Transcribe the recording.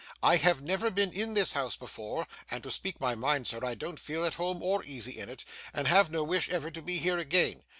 I have never been in this house before; and, to speak my mind, sir, I don't feel at home or easy in it, and have no wish ever to be here again.